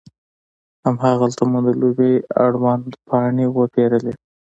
هماغلته مو د لوبې اړوند پاڼې وپیرلې.